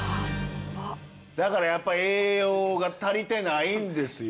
だからやっぱり栄養が足りてないんですよ。